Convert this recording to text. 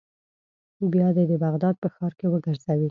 بیا دې د بغداد په ښار کې وګرځوي.